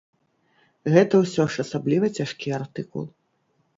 Гэта ўсё ж асабліва цяжкі артыкул.